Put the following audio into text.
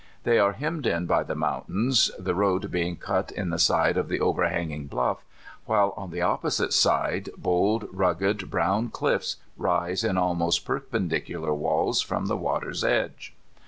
They are hemmed in by the mountains, the road being cut in the side of the overhanging bluff, while on the opposite side bold, rugged brown cliffs rise in almost perpendic ular walls from the water's edge.